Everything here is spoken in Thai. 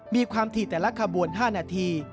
มีความถี่แต่ละขบวน๕นาที